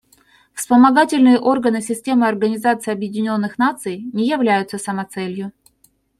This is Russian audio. Вспомогательные органы системы Организации Объединенных Наций не являются самоцелью.